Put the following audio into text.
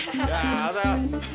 ありがとうございます